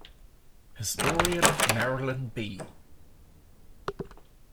Historian Marilyn B.